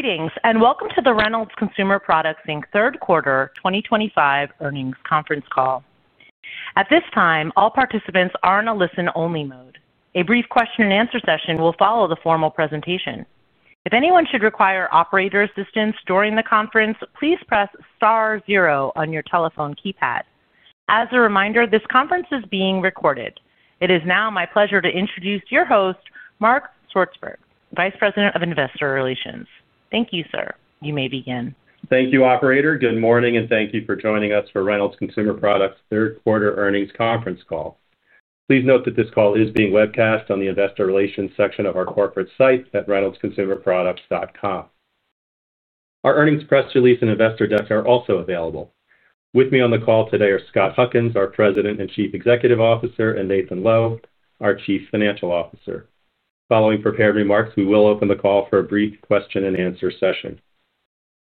Greetings, and welcome to the Reynolds Consumer Products Inc. Third Quarter 2025 earnings conference call. At this time, all participants are in a listen-only mode. A brief question-and-answer session will follow the formal presentation. If anyone should require operator assistance during the conference, please press star zero on your telephone keypad. As a reminder, this conference is being recorded. It is now my pleasure to introduce your host, Mark Swartzberg, Vice President of Investor Relations. Thank you, sir. You may begin. Thank you, Operator. Good morning, and thank you for joining us for Reynolds Consumer Products' Third Quarter earnings conference call. Please note that this call is being webcast on the Investor Relations section of our corporate site at reynoldsconsumerproducts.com. Our earnings press release and investor deck are also available. With me on the call today are Scott Huckins, our President and Chief Executive Officer, and Nathan Lowe, our Chief Financial Officer. Following prepared remarks, we will open the call for a brief question-and-answer session.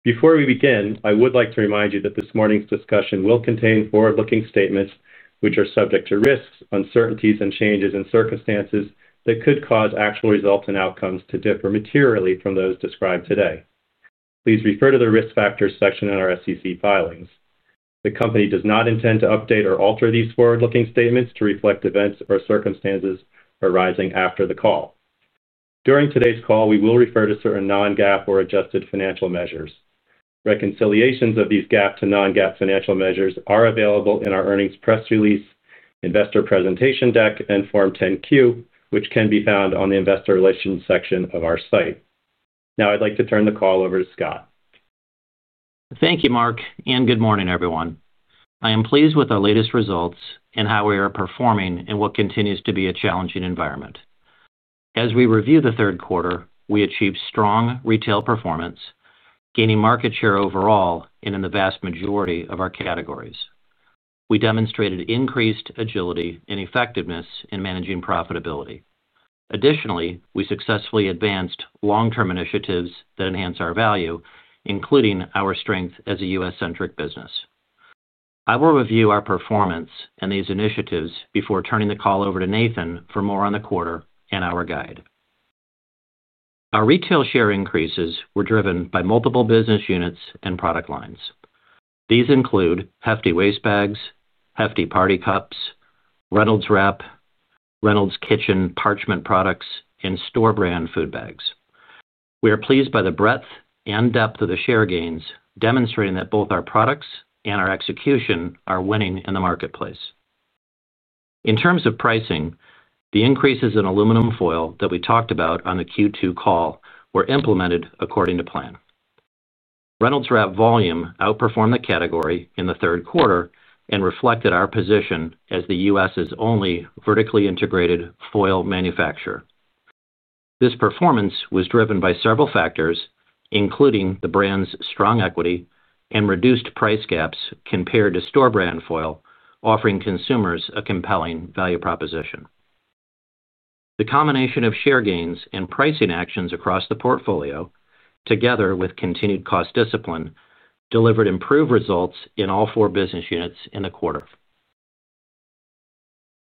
Before we begin, I would like to remind you that this morning's discussion will contain forward-looking statements, which are subject to risks, uncertainties, and changes in circumstances that could cause actual results and outcomes to differ materially from those described today. Please refer to the risk factors section in our SEC filings. The company does not intend to update or alter these forward-looking statements to reflect events or circumstances arising after the call. During today's call, we will refer to certain non-GAAP or adjusted financial measures. Reconciliations of these GAAP to non-GAAP financial measures are available in our earnings press release, investor presentation deck, and Form 10-Q, which can be found on the Investor Relations section of our site. Now, I'd like to turn the call over to Scott. Thank you, Mark, and good morning, everyone. I am pleased with our latest results and how we are performing in what continues to be a challenging environment. As we review the third quarter, we achieved strong retail performance, gaining market share overall and in the vast majority of our categories. We demonstrated increased agility and effectiveness in managing profitability. Additionally, we successfully advanced long-term initiatives that enhance our value, including our strength as a U.S.-centric business. I will review our performance and these initiatives before turning the call over to Nathan for more on the quarter and our guide. Our retail share increases were driven by multiple business units and product lines. These include Hefty Waste Bags, Hefty Party Cups, Reynolds Wrap aluminum foil, Reynolds Kitchens Parchment Products, and store-brand food bags. We are pleased by the breadth and depth of the share gains, demonstrating that both our products and our execution are winning in the marketplace. In terms of pricing, the increases in aluminum foil that we talked about on the Q2 call were implemented according to plan. Reynolds Wrap volume outperformed the category in the third quarter and reflected our position as the U.S.'s only vertically integrated foil manufacturer. This performance was driven by several factors, including the brand's strong equity and reduced price gaps compared to store-brand foil, offering consumers a compelling value proposition. The combination of share gains and pricing actions across the portfolio, together with continued cost discipline, delivered improved results in all four business units in the quarter.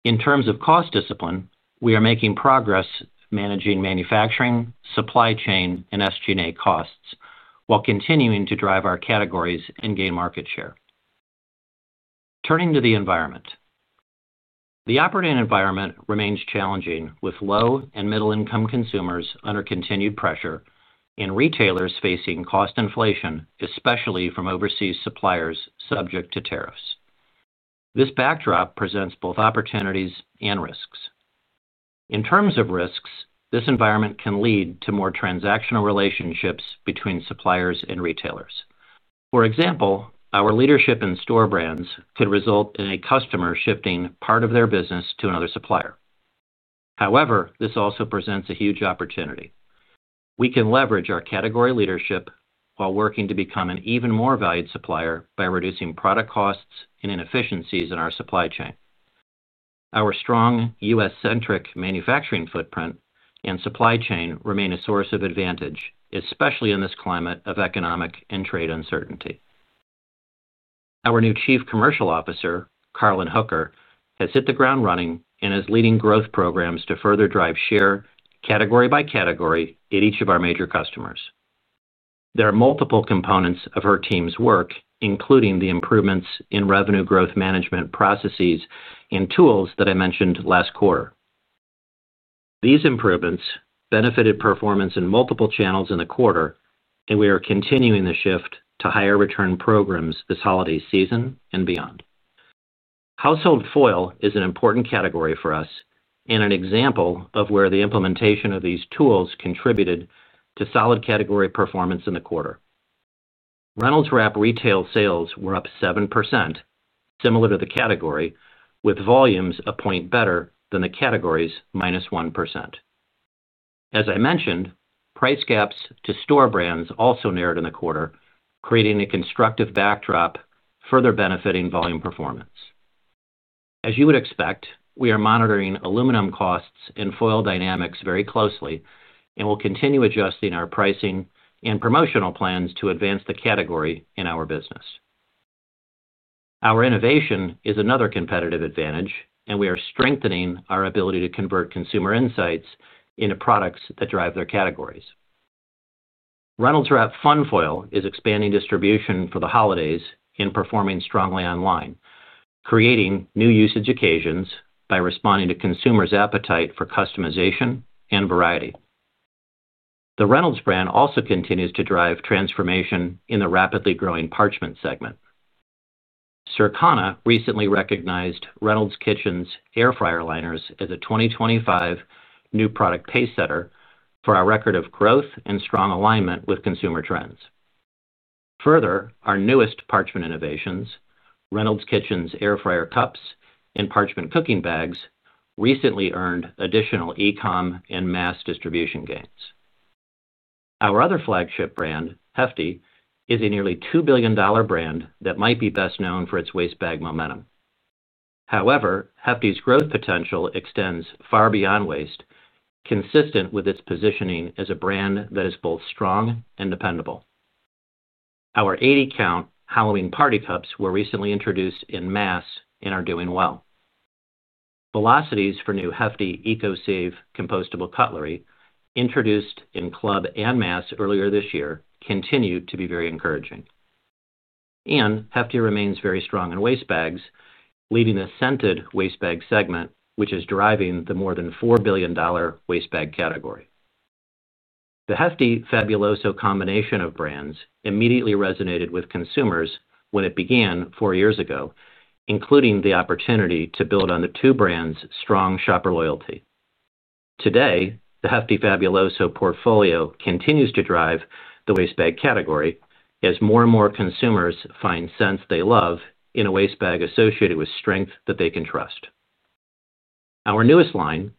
In terms of cost discipline, we are making progress managing manufacturing, supply chain, and SG&A costs while continuing to drive our categories and gain market share. Turning to the environment, the operating environment remains challenging, with low and middle-income consumers under continued pressure and retailers facing cost inflation, especially from overseas suppliers subject to tariffs. This backdrop presents both opportunities and risks. In terms of risks, this environment can lead to more transactional relationships between suppliers and retailers. For example, our leadership in store brands could result in a customer shifting part of their business to another supplier. However, this also presents a huge opportunity. We can leverage our category leadership while working to become an even more valued supplier by reducing product costs and inefficiencies in our supply chain. Our strong U.S.-centric manufacturing footprint and supply chain remain a source of advantage, especially in this climate of economic and trade uncertainty. Our new Chief Commercial Officer, Carlen Hooker, has hit the ground running and is leading growth programs to further drive share, category by category, at each of our major customers. There are multiple components of her team's work, including the improvements in revenue growth management processes and tools that I mentioned last quarter. These improvements benefited performance in multiple channels in the quarter, and we are continuing the shift to higher return programs this holiday season and beyond. Household foil is an important category for us and an example of where the implementation of these tools contributed to solid category performance in the quarter. Reynolds Wrap retail sales were up 7%, similar to the category, with volumes a point better than the category's -1%. As I mentioned, price gaps to store brands also narrowed in the quarter, creating a constructive backdrop, further benefiting volume performance. As you would expect, we are monitoring aluminum costs and foil dynamics very closely and will continue adjusting our pricing and promotional plans to advance the category in our business. Our innovation is another competitive advantage, and we are strengthening our ability to convert consumer insights into products that drive their categories. Reynolds Wrap Fun Foil is expanding distribution for the holidays and performing strongly online, creating new usage occasions by responding to consumers' appetite for customization and variety. The Reynolds brand also continues to drive transformation in the rapidly growing parchment segment. Circana recently recognized Reynolds Kitchens Air Fryer liners as a 2025 new product pacesetter for our record of growth and strong alignment with consumer trends. Further, our newest parchment innovations, Reynolds Kitchens Air Fryer cups and Parchment Cooking bags, recently earned additional e-com and mass distribution gains. Our other flagship brand, Hefty, is a nearly $2 billion brand that might be best known for its waste bag momentum. However, Hefty's growth potential extends far beyond waste, consistent with its positioning as a brand that is both strong and dependable. Our 80-count Halloween Party Cups were recently introduced en masse and are doing well. Velocities for new Hefty ECOSAVE compostable cutlery, introduced in club en masse earlier this year, continue to be very encouraging. Hefty remains very strong in waste bags, leading the scented waste bag segment, which is driving the more than $4 billion waste bag category. The Hefty Fabuloso combination of brands immediately resonated with consumers when it began four years ago, including the opportunity to build on the two brands' strong shopper loyalty. Today, the Hefty Fabuloso portfolio continues to drive the waste bag category as more and more consumers find scents they love in a waste bag associated with strength that they can trust. Our newest line,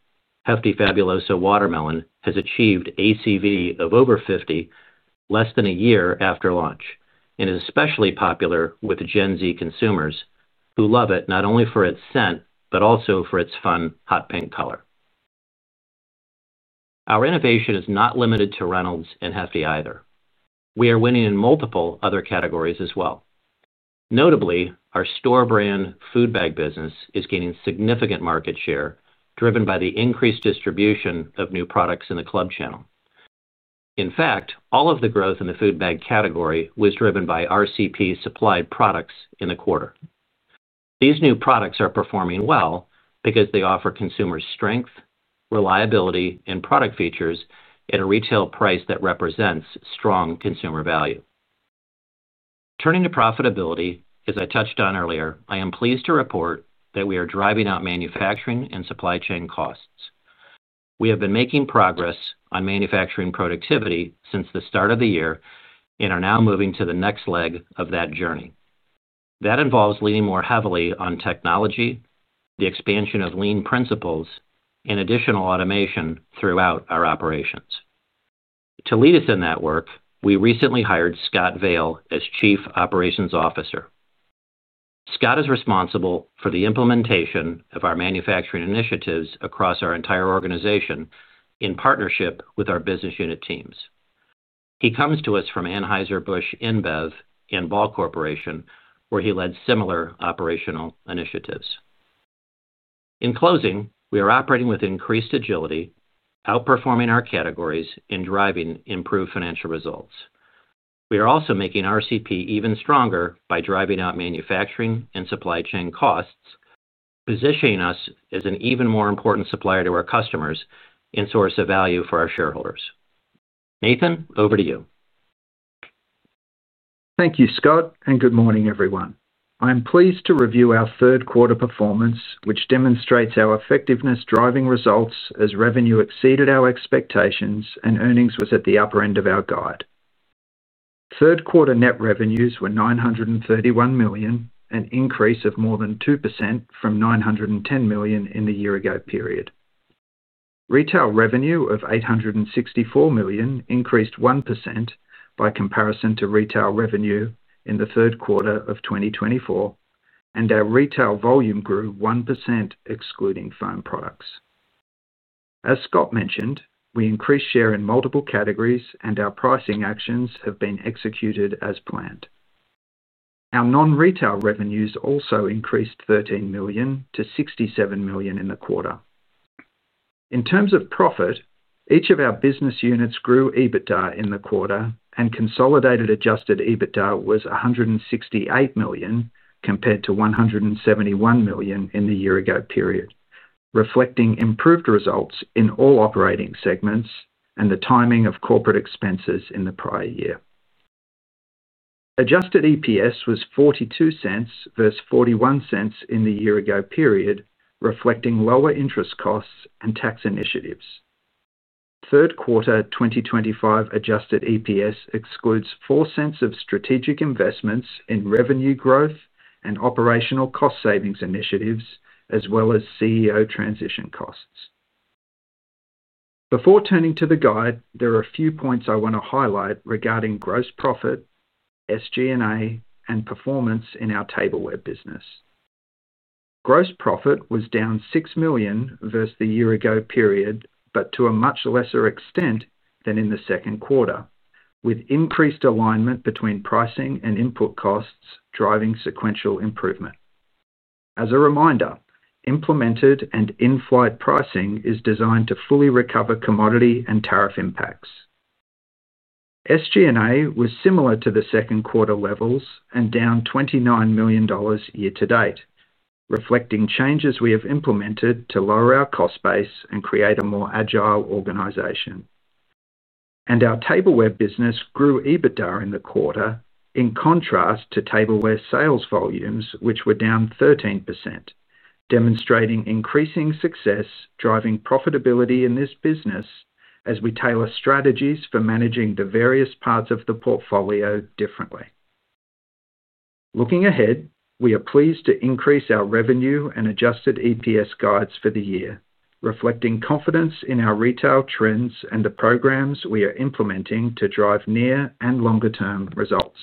Hefty Fabuloso Watermelon, has achieved ACV of over 50, less than a year after launch, and is especially popular with Gen Z consumers who love it not only for its scent but also for its fun hot pink color. Our innovation is not limited to Reynolds and Hefty either. We are winning in multiple other categories as well. Notably, our store-brand food bag business is gaining significant market share, driven by the increased distribution of new products in the club channel. In fact, all of the growth in the food bag category was driven by RCP Supplied Products in the quarter. These new products are performing well because they offer consumers strength, reliability, and product features at a retail price that represents strong consumer value. Turning to profitability, as I touched on earlier, I am pleased to report that we are driving up manufacturing and supply chain costs. We have been making progress on manufacturing productivity since the start of the year and are now moving to the next leg of that journey. That involves leaning more heavily on technology, the expansion of lean principles, and additional automation throughout our operations. To lead us in that work, we recently hired Scott Vail as Chief Operations Officer. Scott is responsible for the implementation of our manufacturing initiatives across our entire organization in partnership with our business unit teams. He comes to us from Anheuser-Busch InBev and Ball Corporation, where he led similar operational initiatives. In closing, we are operating with increased agility, outperforming our categories, and driving improved financial results. We are also making RCP even stronger by driving up manufacturing and supply chain costs, positioning us as an even more important supplier to our customers and source of value for our shareholders. Nathan, over to you. Thank you, Scott, and good morning, everyone. I am pleased to review our third quarter performance, which demonstrates our effectiveness driving results as revenue exceeded our expectations and earnings was at the upper end of our guide. Third quarter net revenues were $931 million, an increase of more than 2% from $910 million in the year-ago period. Retail revenue of $864 million increased 1% by comparison to retail revenue in the third quarter of 2023, and our retail volume grew 1% excluding foam products. As Scott mentioned, we increased share in multiple categories, and our pricing actions have been executed as planned. Our non-retail revenues also increased $13 million-$67 million in the quarter. In terms of profit, each of our business units grew EBITDA in the quarter, and consolidated adjusted EBITDA was $168 million compared to $171 million in the year-ago period, reflecting improved results in all operating segments and the timing of corporate expenses in the prior year. Adjusted EPS was $0.42 vs $0.41 in the year-ago period, reflecting lower interest costs and tax initiatives. Third quarter 2023 adjusted EPS excludes $0.04 of strategic investments in revenue growth and operational cost savings initiatives, as well as CEO transition costs. Before turning to the guide, there are a few points I want to highlight regarding gross profit, SG&A, and performance in our tableware business. Gross profit was down $6 million vs the year-ago period, but to a much lesser extent than in the second quarter, with increased alignment between pricing and input costs driving sequential improvement. As a reminder, implemented and in-flight pricing is designed to fully recover commodity and tariff impacts. SG&A was similar to the second quarter levels and down $29 million year to date, reflecting changes we have implemented to lower our cost base and create a more agile organization. Our tableware business grew EBITDA in the quarter in contrast to tableware sales volumes, which were down 13%, demonstrating increasing success driving profitability in this business as we tailor strategies for managing the various parts of the portfolio differently. Looking ahead, we are pleased to increase our revenue and adjusted EPS guides for the year, reflecting confidence in our retail trends and the programs we are implementing to drive near and longer-term results.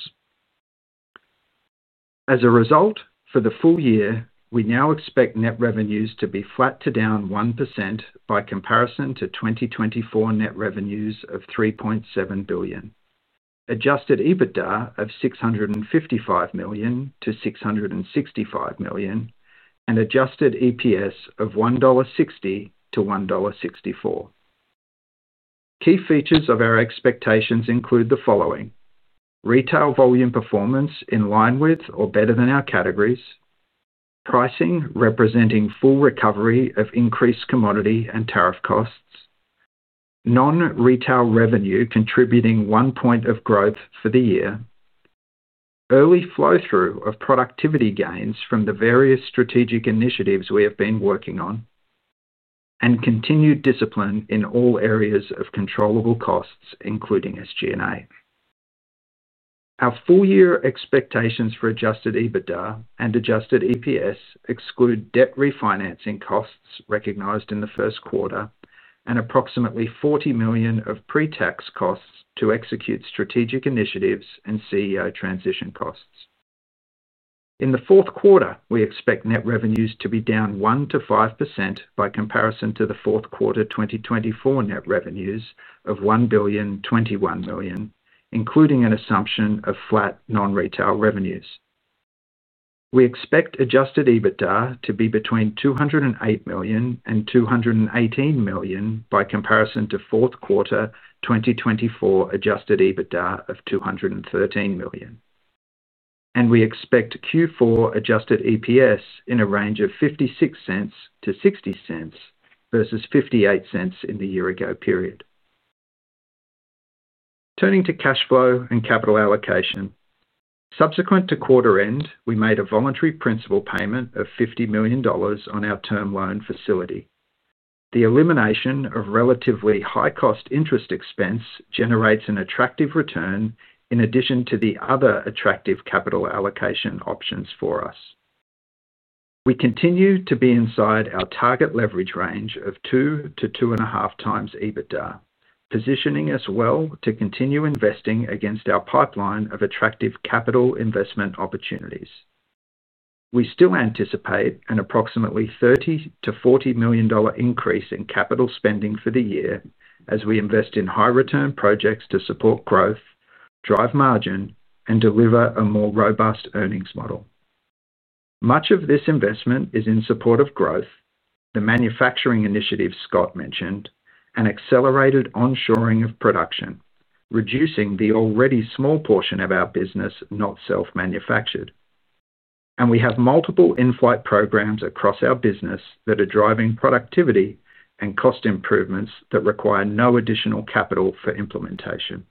As a result, for the full year, we now expect net revenues to be flat to down 1% by comparison to 2024 net revenues of $3.7 billion, adjusted EBITDA of $655 million-$665 million, and adjusted EPS of $1.60-$1.64. Key features of our expectations include the following: Retail volume performance in line with or better than our categories, Pricing representing full recovery of increased commodity and tariff costs, Non-retail revenue contributing one point of growth for the year, early Flow-through of productivity gains from the various strategic initiatives we have been working on, and continued discipline in all areas of controllable costs, including SG&A. Our full-year expectations for adjusted EBITDA and adjusted EPS exclude debt refinancing costs recognized in the first quarter and approximately $40 million of pre-tax costs to execute strategic initiatives and CEO transition costs. In the fourth quarter, we expect net revenues to be down 1%-5% by comparison to the fourth quarter 2024 net revenues of $1 billion-$1.021 billion, including an assumption of flat non-retail revenues. We expect adjusted EBITDA to be between $208 million and $218 million by comparison to fourth quarter 2024 adjusted EBITDA of $213 million. We expect Q4 adjusted EPS in a range of $0.56-$0.60 vs $0.58 in the year-ago period. Turning to cash flow and capital allocation, subsequent to quarter end, we made a voluntary principal payment of $50 million on our term loan facility. The elimination of relatively high-cost interest expense generates an attractive return in addition to the other attractive capital allocation options for us. We continue to be inside our target leverage range of 2x-2.5x EBITDA, positioning us well to continue investing against our pipeline of attractive capital investment opportunities. We still anticipate an approximately $30 million-$40 million increase in capital spending for the year as we invest in high-return projects to support growth, drive margin, and deliver a more robust earnings model. Much of this investment is in support of growth, the manufacturing initiative Scott mentioned, and accelerated onshoring of production, reducing the already small portion of our business not self-manufactured. We have multiple in-flight programs across our business that are driving productivity and cost improvements that require no additional capital for implementation.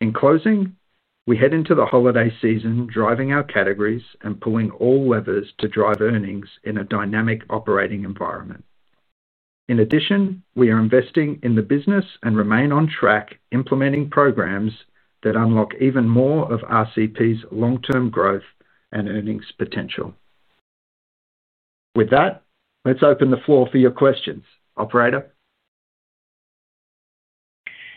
In closing, we head into the holiday season, driving our categories and pulling all levers to drive earnings in a dynamic operating environment. In addition, we are investing in the business and remain on track implementing programs that unlock even more of RCP's long-term growth and earnings potential. With that, let's open the floor for your questions, Operator.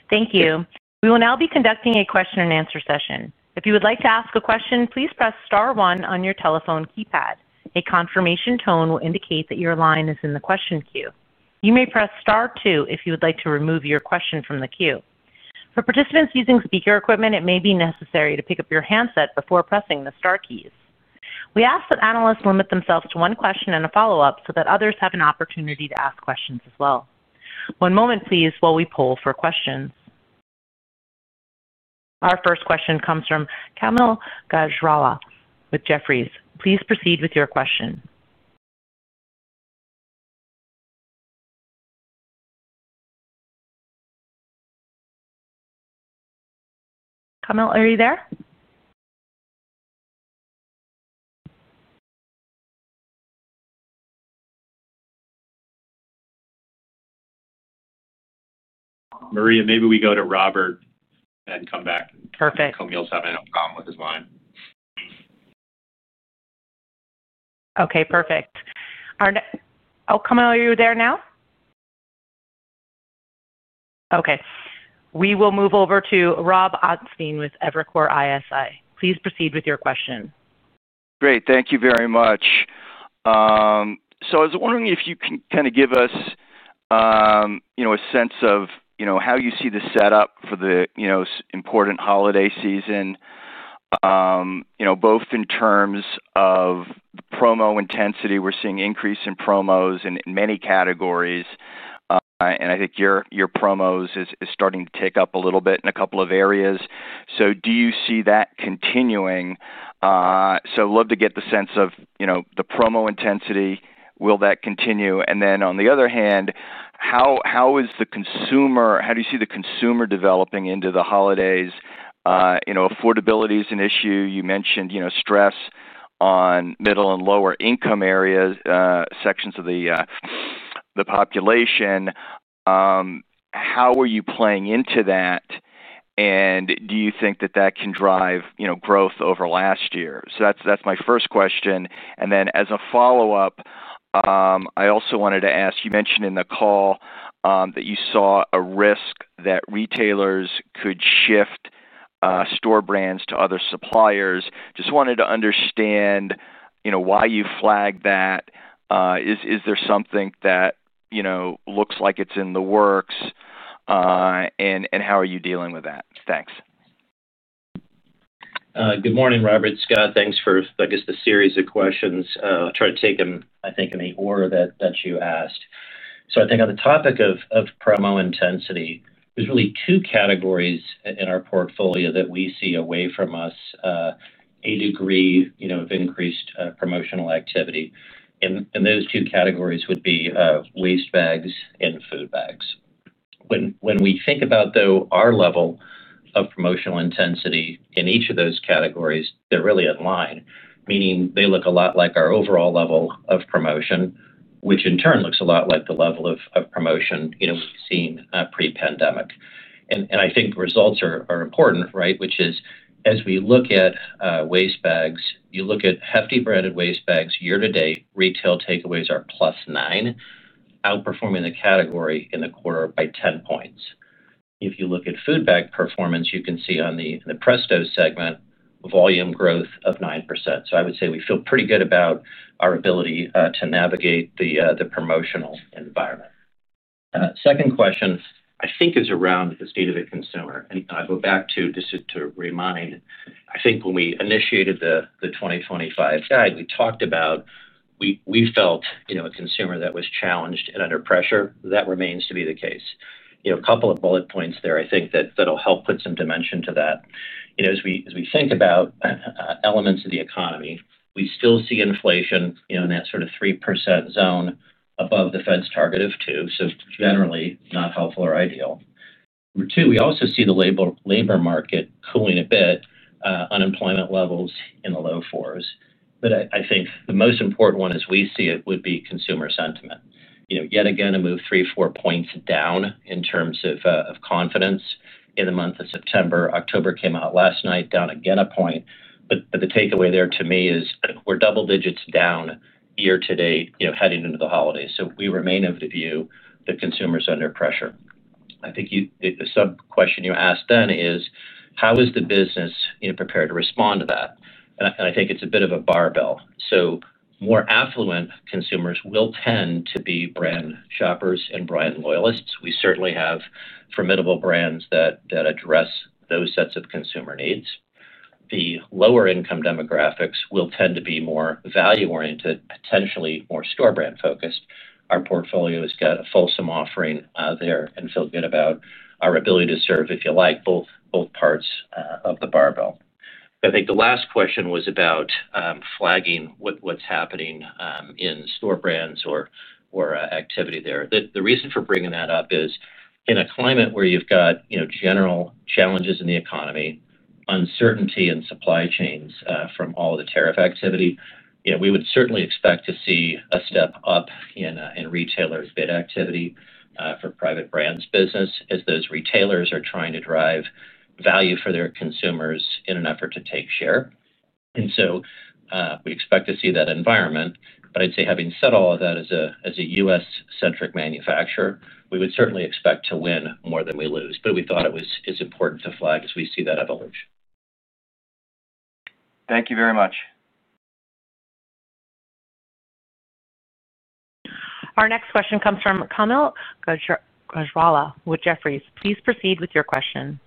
Thank you. We will now be conducting a question-and-answer session. If you would like to ask a question, please press star one on your telephone keypad. A confirmation tone will indicate that your line is in the question queue. You may press star two if you would like to remove your question from the queue. For participants using speaker equipment, it may be necessary to pick up your handset before pressing the star key. We ask that analysts limit themselves to one question and a follow-up so that others have an opportunity to ask questions as well. One moment, please, while we poll for questions. Our first question comes from Kaumil Gajrawala with Jefferies. Please proceed with your question. Kaumil, are you there? Maria, maybe we go to Robert and come back. Perfect. Kaumil's having a problem with his line. Okay, perfect. Kaumil, are you there now? Okay. We will move over to Rob Ottenstein with Evercore ISI. Please proceed with your question. Great. Thank you very much. I was wondering if you can kind of give us a sense of how you see the setup for the important holiday season, both in terms of the promo intensity. We're seeing an increase in promos in many categories, and I think your promos are starting to take up a little bit in a couple of areas. Do you see that continuing? I'd love to get the sense of the promo intensity. Will that continue? On the other hand, how is the consumer? How do you see the consumer developing into the holidays? Affordability is an issue. You mentioned stress on middle and lower-income areas, sections of the population. How are you playing into that? Do you think that that can drive growth over last year? That's my first question. As a follow-up, I also wanted to ask, you mentioned in the call that you saw a risk that retailers could shift store brands to other suppliers. I just wanted to understand why you flagged that. Is there something that looks like it's in the works? How are you dealing with that? Thanks. Good morning, Robert. It's Scott. Thanks for the series of questions. I'll try to take them in the order that you asked. On the topic of promotional intensity, there are really two categories in our portfolio that we see away from us, a degree of increased promotional activity. Those two categories would be waste bags and food bags. When we think about our level of promotional intensity in each of those categories, they're really in line, meaning they look a lot like our overall level of promotion, which in turn looks a lot like the level of promotion we've seen pre-pandemic. Results are important, right? As we look at waste bags, you look at Hefty Waste Bags year to date, retail takeaways are +9%, outperforming the category in the quarter by 10 points. If you look at food bag performance, you can see on the Presto segment, volume growth of 9%. I would say we feel pretty good about our ability to navigate the promotional environment. Second question is around the state of the consumer. I'll go back to this to remind, when we initiated the 2025 guide, we talked about we felt a consumer that was challenged and under pressure. That remains to be the case. A couple of bullet points there that'll help put some dimension to that. As we think about elements of the economy, we still see inflation in that sort of 3% zone above the Fed's target of 2%. Generally, not helpful or ideal. Number two, we also see the labor market cooling a bit, unemployment levels in the low 4s. I think the most important one, as we see it, would be consumer sentiment. Yet again, a move 3, 4 points down in terms of confidence in the month of September. October came out last night, down again a point. The takeaway there to me is we're double digits down year to date, heading into the holidays. We remain in view that consumers are under pressure. The sub-question you asked then is, how is the business prepared to respond to that? I think it's a bit of a barbell. More affluent consumers will tend to be brand shoppers and brand loyalists. We certainly have formidable brands that address those sets of consumer needs. The lower-income demographics will tend to be more value-oriented, potentially more store brand focused. Our portfolio has got a fulsome offering there and feel good about our ability to serve both parts of the barbell. I think the last question was about flagging what's happening in store-brand activity there. The reason for bringing that up is in a climate where you've got general challenges in the economy, uncertainty in supply chains from all the tariff activity, we would certainly expect to see a step up in retailers' bid activity for private label business as those retailers are trying to drive value for their consumers in an effort to take share. We expect to see that environment. I'd say, having said all of that, as a US-centric manufacturer, we would certainly expect to win more than we lose. We thought it was important to flag as we see that evolution. Thank you very much. Our next question comes from Kaumil Gajrawala with Jefferies. Please proceed with your question.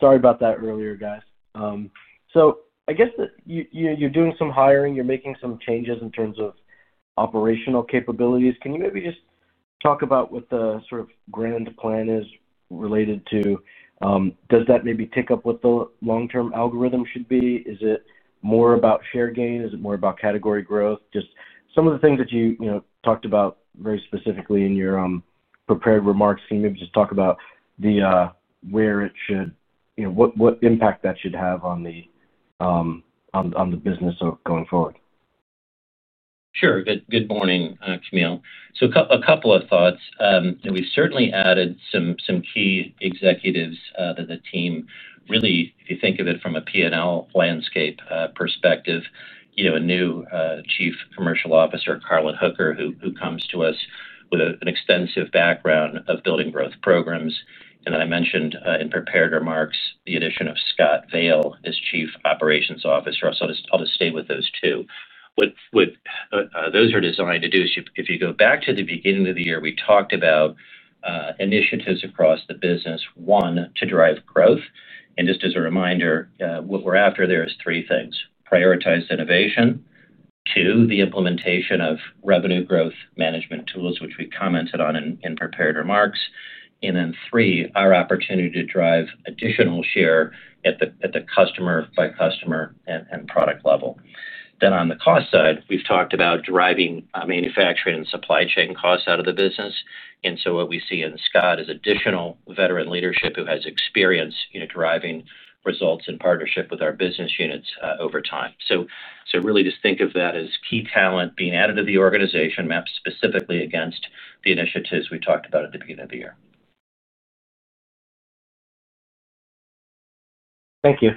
Sorry about that earlier, guys. I guess that you're doing some hiring. You're making some changes in terms of operational capabilities. Can you maybe just talk about what the sort of grand plan is related to? Does that maybe take up what the long-term algorithm should be? Is it more about share gain? Is it more about category growth? Just some of the things that you talked about very specifically in your prepared remarks. Can you maybe just talk about where it should, you know, what impact that should have on the business going forward? Sure. Good morning, Kaumil. A couple of thoughts. We've certainly added some key executives to the team. Really, if you think of it from a P&L landscape perspective, a new Chief Commercial Officer, Carlen Hooker, who comes to us with an extensive background of building growth programs. I mentioned in prepared remarks the addition of Scott Vail as Chief Operations Officer. I'll just stay with those two. What those are designed to do is, if you go back to the beginning of the year, we talked about initiatives across the business, one, to drive growth. Just as a reminder, what we're after there is three things: prioritize innovation, two, the implementation of revenue growth management tools, which we commented on in prepared remarks, and three, our opportunity to drive additional share at the customer-by-customer and product level. On the cost side, we've talked about driving manufacturing and supply chain costs out of the business. What we see in Scott is additional veteran leadership who has experience driving results in partnership with our business units over time. Really, just think of that as key talent being added to the organization, mapped specifically against the initiatives we talked about at the beginning of the year. Thank you.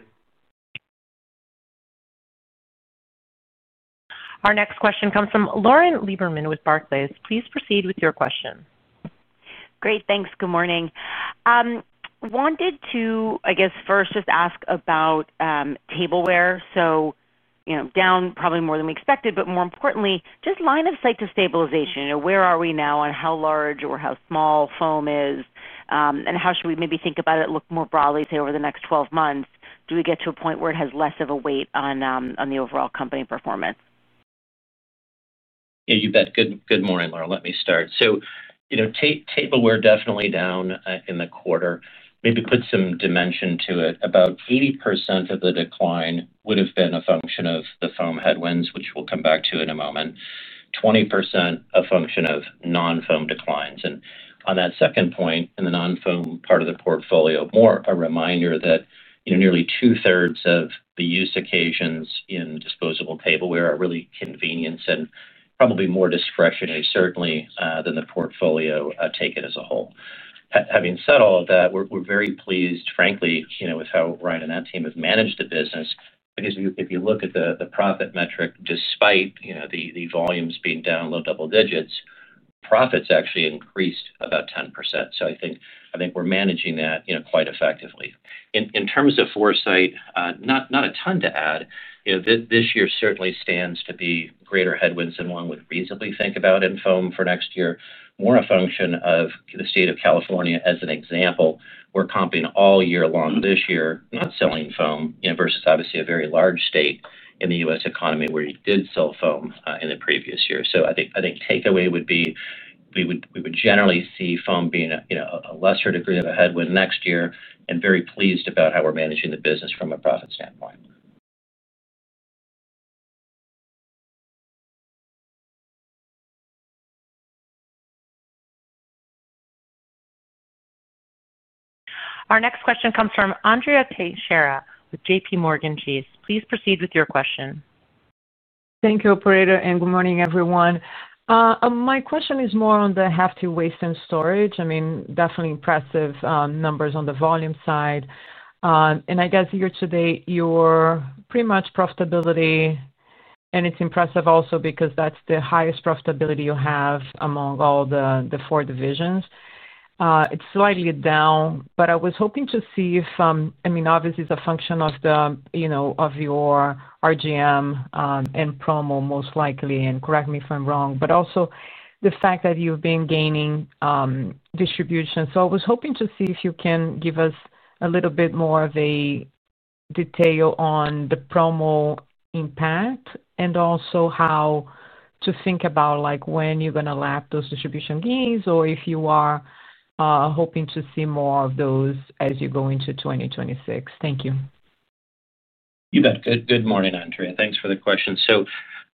Our next question comes from Lauren Lieberman with Barclays. Please proceed with your question. Great. Thanks. Good morning. We wanted to, I guess, first just ask about tableware. Down probably more than we expected, but more importantly, just line of sight to stabilization. Where are we now on how large or how small foam is, and how should we maybe think about it, look more broadly, say, over the next 12 months? Do we get to a point where it has less of a weight on the overall company performance? Yeah, you bet. Good morning, Lauren. Let me start. Tableware definitely down in the quarter. Maybe put some dimension to it. About 80% of the decline would have been a function of the foam headwinds, which we'll come back to in a moment, 20% a function of non-foam declines. On that second point, in the non-foam part of the portfolio, more a reminder that nearly two-thirds of the use occasions in disposable tableware are really convenience and probably more discretionary, certainly, than the portfolio taken as a whole. Having said all of that, we're very pleased, frankly, with how Ryan and that team have managed the business. If you look at the profit metric, despite the volumes being down low-double-digits, profits actually increased about 10%. I think we're managing that quite effectively. In terms of foresight, not a ton to add. This year certainly stands to be greater headwinds than one would reasonably think about in foam for next year, more a function of the state of California as an example. We're comping all year long this year, not selling foam, vs obviously a very large state in the U.S. economy where you did sell foam in the previous year. I think takeaway would be we would generally see foam being a lesser degree of a headwind next year and very pleased about how we're managing the business from a profit standpoint. Our next question comes from Andrea Teixeira with JPMorgan. Please proceed with your question. Thank you, Operator, and good morning, everyone. My question is more on the Hefty Waste and Storage. Definitely impressive numbers on the volume side. I guess here today, you're pretty much profitability, and it's impressive also because that's the highest profitability you have among all the four divisions. It's slightly down, but I was hoping to see if, obviously, it's a function of your RGM and promo most likely. Correct me if I'm wrong, but also the fact that you've been gaining distribution. I was hoping to see if you can give us a little bit more of a detail on the promo impact and also how to think about when you're going to lap those distribution gains or if you are hoping to see more of those as you go into 2026. Thank you. You bet. Good morning, Andrea. Thanks for the question.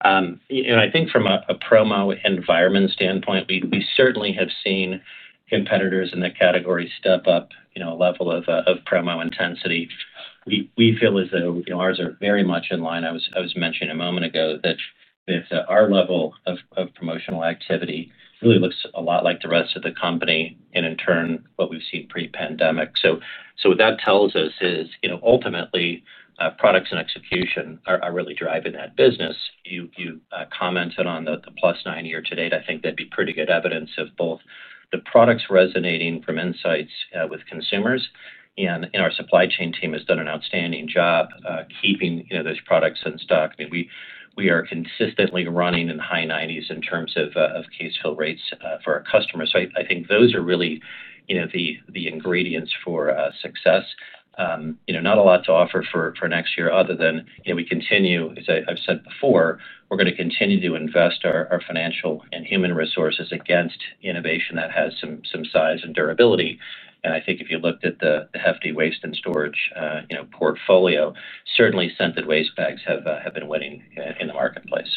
I think from a promo environment standpoint, we certainly have seen competitors in the category step up a level of promo intensity. We feel as though ours are very much in line. I was mentioning a moment ago that our level of promotional activity really looks a lot like the rest of the company and in turn what we've seen pre-pandemic. What that tells us is, ultimately, products and execution are really driving that business. You commented on the +9% year to date. I think that'd be pretty good evidence of both the products resonating from insights with consumers, and our supply chain team has done an outstanding job keeping those products in stock. We are consistently running in the high 90% in terms of case fill rates for our customers. I think those are really the ingredients for success. Not a lot to offer for next year other than we continue, as I've said before, we're going to continue to invest our financial and human resources against innovation that has some size and durability. I think if you looked at the Hefty Waste and Storage portfolio, certainly scented waste bags have been winning in the marketplace.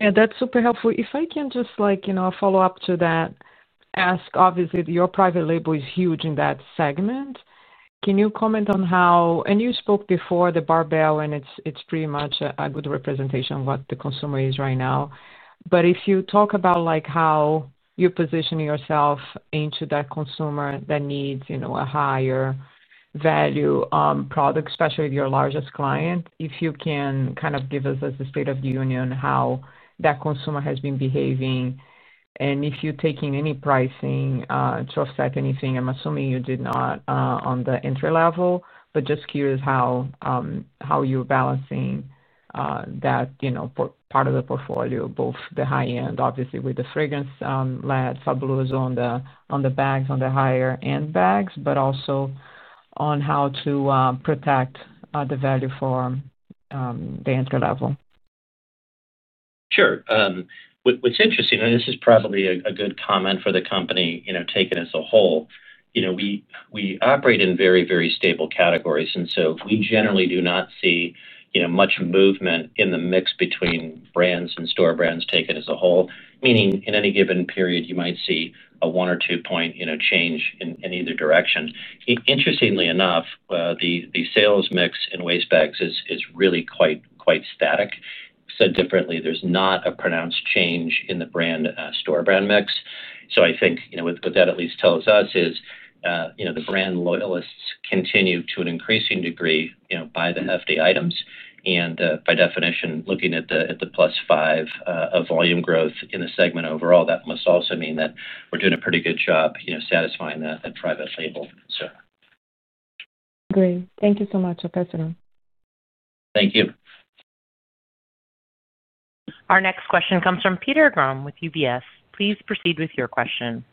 Yeah, that's super helpful. If I can just follow up to that, ask, obviously, your private label is huge in that segment. Can you comment on how, and you spoke before the barbell, and it's pretty much a good representation of what the consumer is right now. If you talk about how you position yourself into that consumer that needs a higher value product, especially if you're a largest client, if you can kind of give us as a state of the union how that consumer has been behaving. If you're taking any pricing to offset anything, I'm assuming you did not on the entry level, just curious how you're balancing that part of the portfolio, both the high end, obviously, with the fragrance-led Hefty Fabuloso scented waste bags on the higher-end bags, but also on how to protect the value for the entry level. Sure. What's interesting, and this is probably a good comment for the company taken as a whole, you know, we operate in very, very stable categories. We generally do not see much movement in the mix between brands and store brands taken as a whole, meaning in any given period, you might see a 1 or 2-point change in either direction. Interestingly enough, the sales mix in waste bags is really quite static. Said differently, there's not a pronounced change in the brand store brand mix. I think what that at least tells us is the brand loyalists continue to an increasing degree buy the Hefty items. By definition, looking at the +5% of volume growth in the segment overall, that must also mean that we're doing a pretty good job satisfying that private label consumer. Great. Thank you so much. Thank you. Our next question comes from Peter Grom with UBS. Please proceed with your question.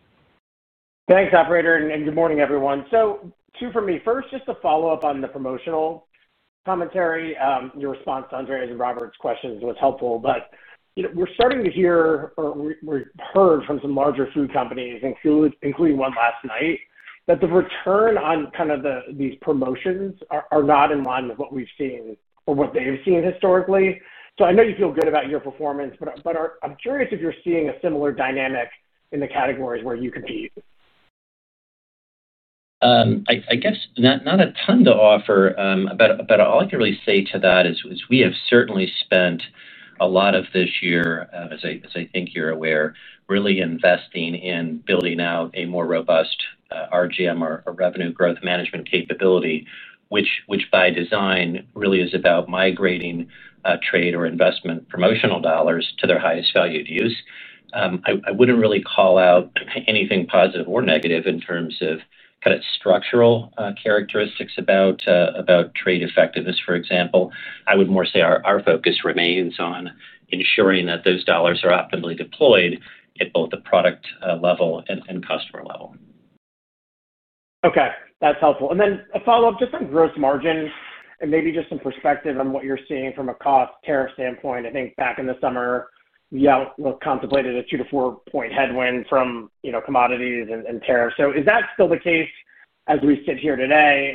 Thanks, Operator, and good morning, everyone. Two from me. First, just to follow up on the promotional commentary, your response to Andrea's and Robert's questions was helpful. We're starting to hear or we've heard from some larger food companies, including one last night, that the return on kind of these promotions are not in line with what we've seen or what they've seen historically. I know you feel good about your performance, but I'm curious if you're seeing a similar dynamic in the categories where you compete. I guess not a ton to offer, but all I can really say to that is we have certainly spent a lot of this year, as I think you're aware, really investing in building out a more robust RGM or revenue growth management capability, which by design really is about migrating trade or investment promotional dollars to their highest value use. I wouldn't really call out anything positive or negative in terms of kind of structural characteristics about trade effectiveness, for example. I would more say our focus remains on ensuring that those dollars are optimally deployed at both the product level and customer level. Okay. That's helpful. A follow-up just on gross margins and maybe just some perspective on what you're seeing from a cost tariff standpoint. I think back in the summer, you contemplated a 2%-4% headwind from commodities and tariffs. Is that still the case as we sit here today?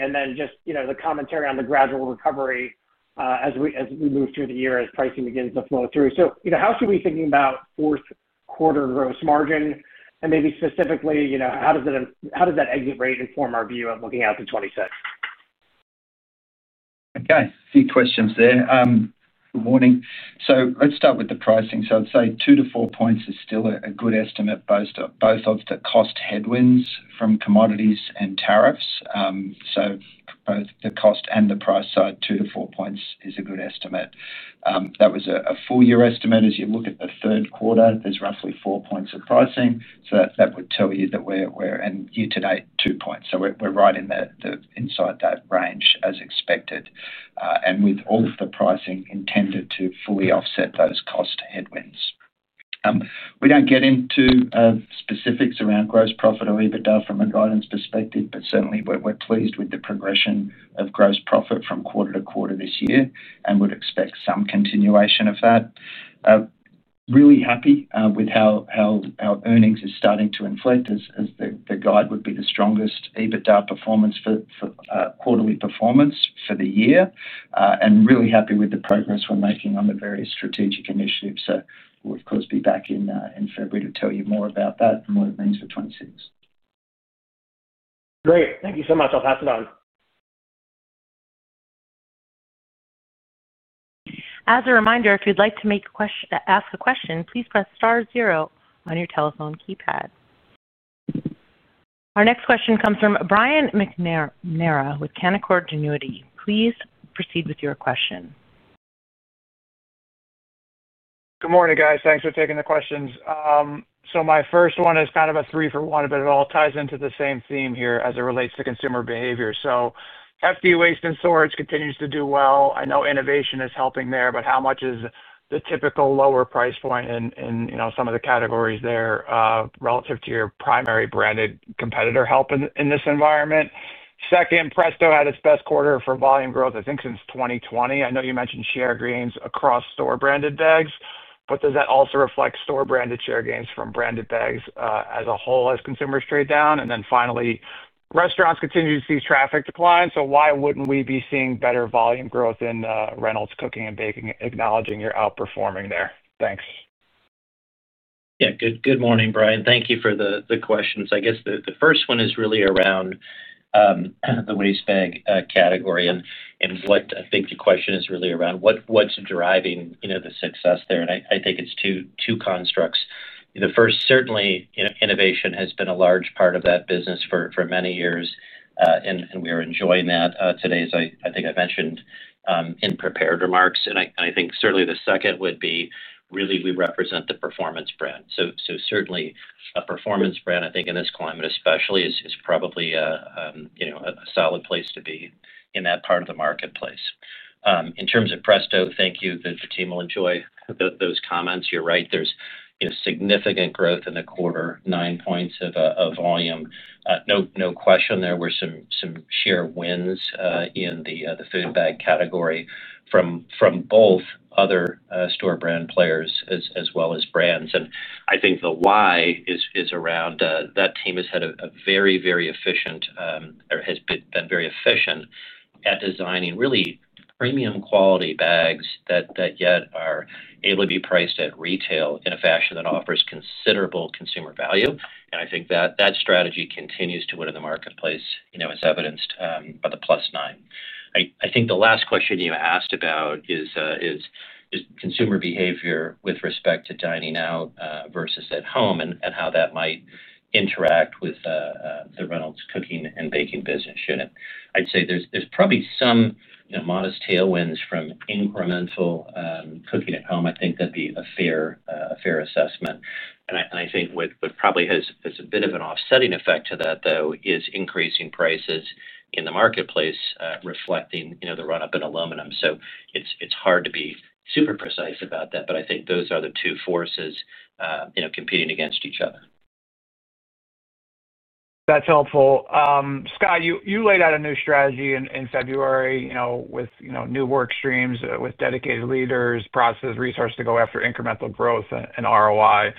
The commentary on the gradual recovery as we move through the year as pricing begins to flow through. How should we be thinking about fourth quarter gross margin? Maybe specifically, how does that exit rate inform our view of looking out to 2026? Okay. A few questions there. Good morning. I'd start with the pricing. I'd say 2-4 points is still a good estimate, both of the cost headwinds from commodities and tariffs. Both the cost and the price side, 2-4 points is a good estimate. That was a full-year estimate. As you look at the third quarter, there's roughly 4 points of pricing. That would tell you that we're in year to date 2 points. We're right in that inside that range as expected. With all of the pricing intended to fully offset those cost headwinds. We don't get into specifics around gross profit or EBITDA from a guidance perspective, but certainly, we're pleased with the progression of gross profit from quarter to quarter this year and would expect some continuation of that. Really happy with how our earnings are starting to inflate as the guide would be the strongest EBITDA performance for quarterly performance for the year. Really happy with the progress we're making on the various strategic initiatives. We'll, of course, be back in February to tell you more about that and what it means for 2026. Great. Thank you so much. I'll pass it on. As a reminder, if you'd like to ask a question, please press star zero on your telephone keypad. Our next question comes from Brian McNamara with Canaccord Genuity. Please proceed with your question. Good morning, guys. Thanks for taking the questions. My first one is kind of a three for one, but it all ties into the same theme here as it relates to consumer behavior. Hefty Waste and Storage continues to do well. I know innovation is helping there, but how much is the typical lower price point in some of the categories there relative to your primary branded competitor help in this environment? Presto had its best quarter for volume growth, I think, since 2020. I know you mentioned share gains across store-brand food bags, but does that also reflect store-brand share gains from branded bags as a whole as consumers trade down? Finally, restaurants continue to see traffic decline. Why wouldn't we be seeing better volume growth in Reynolds Cooking and Baking, acknowledging you're outperforming there? Thanks. Yeah. Good morning, Brian. Thank you for the questions. I guess the first one is really around the waste bag category. I think the question is really around what's driving the success there. I think it's two constructs. The first, certainly, innovation has been a large part of that business for many years, and we are enjoying that today, as I think I mentioned in prepared remarks. I think certainly the second would be really we represent the performance brand. Certainly, a performance brand, I think, in this climate especially, is probably a solid place to be in that part of the marketplace. In terms of Presto, thank you. The team will enjoy those comments. You're right. There's significant growth in the quarter, 9 points of volume. No question there were some share wins in the food bag category from both other store brand players as well as brands. I think the why is around that team has been very efficient at designing really premium quality bags that yet are able to be priced at retail in a fashion that offers considerable consumer value. I think that that strategy continues to win in the marketplace, as evidenced by the +9. I think the last question you asked about is consumer behavior with respect to dining out versus at home and how that might interact with the Reynolds Cooking and Baking business unit. I'd say there's probably some modest tailwinds from incremental cooking at home. I think that'd be a fair assessment. I think what probably has a bit of an offsetting effect to that, though, is increasing prices in the marketplace reflecting the run-up in aluminum. It's hard to be super precise about that, but I think those are the two forces competing against each other. That's helpful. Scott, you laid out a new strategy in February with new work streams with dedicated leaders, processes, and resources to go after incremental growth and ROI.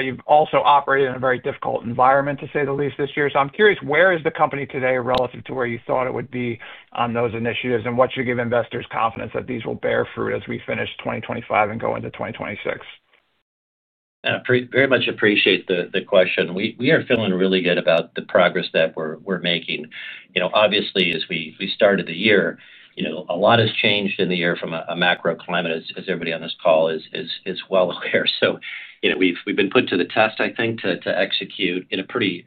You've also operated in a very difficult environment, to say the least, this year. I'm curious, where is the company today relative to where you thought it would be on those initiatives? What should give investors confidence that these will bear fruit as we finish 2025 and go into 2026? Very much appreciate the question. We are feeling really good about the progress that we're making. Obviously, as we started the year, a lot has changed in the year from a macro-economic environment, as everybody on this call is well aware. We have been put to the test, I think, to execute in a pretty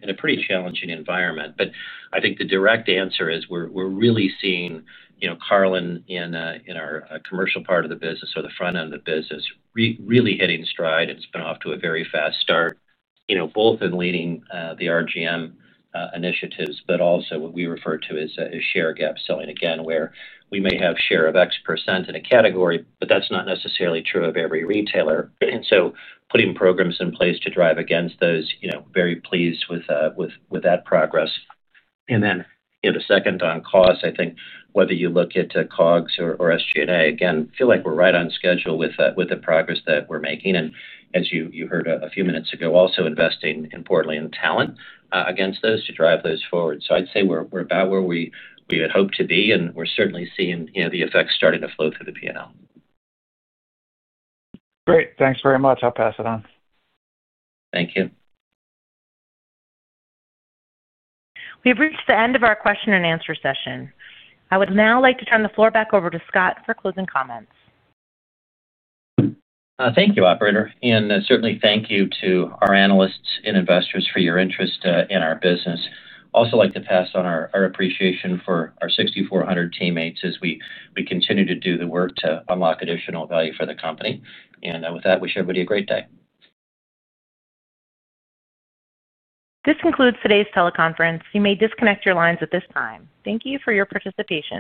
challenging environment. I think the direct answer is we're really seeing Carlen in our commercial part of the business, or the front end of the business, really hitting stride. It's been off to a very fast start, both in leading the RGM initiatives, but also what we refer to as share gap selling, where we may have share of x% in a category, but that's not necessarily true of every retailer. Putting programs in place to drive against those, very pleased with that progress. The second on cost, I think whether you look at COGS or SG&A, again, feel like we're right on schedule with the progress that we're making. As you heard a few minutes ago, also investing importantly in talent against those to drive those forward. I'd say we're about where we had hoped to be, and we're certainly seeing the effects starting to flow through the P&L. Great, thanks very much. I'll pass it on. Thank you. We have reached the end of our question-and-answer session. I would now like to turn the floor back over to Scott for closing comments. Thank you, Operator. Certainly, thank you to our analysts and investors for your interest in our business. I'd also like to pass on our appreciation for our 6,400 teammates as we continue to do the work to unlock additional value for the company. With that, I wish everybody a great day. This concludes today's teleconference. You may disconnect your lines at this time. Thank you for your participation.